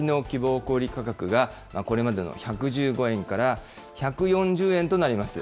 小売り価格がこれまでの１１５円から１４０円となります。